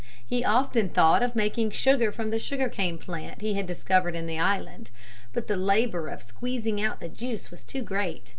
He often thought of making sugar from the sugar cane plant he had discovered in the island. But the labor of squeezing out the juice was too great.